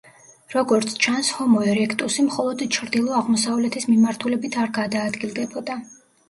როგორც ჩანს, ჰომო ერექტუსი მხოლოდ ჩრდილო-აღმოსავლეთის მიმართულებით არ გადაადგილდებოდა.